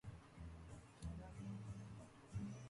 The first shot fell short.